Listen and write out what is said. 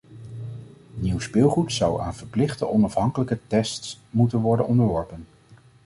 Nieuw speelgoed zou aan verplichte onafhankelijke tests moeten worden onderworpen.